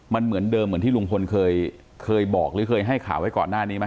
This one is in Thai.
มันเหมือนเดิมเหมือนที่ลุงพลเคยบอกหรือเคยให้ข่าวไว้ก่อนหน้านี้ไหม